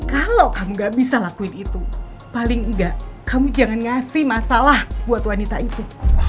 kalau kamu gak bisa lakuin itu paling enggak kamu jangan ngasih masalah buat wanita itu